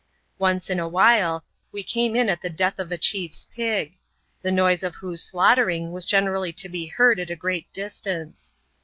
Once in a while, we came in at the death of a chief 's pig ; the noise of whose slaughtering was generally to be heard at a great distance.